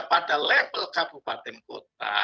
pada level kabupaten kota